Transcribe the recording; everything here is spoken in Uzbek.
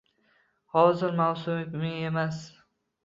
Hozir mavsumi emas